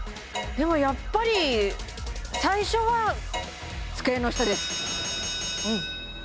でもやっぱり最初は机の下です。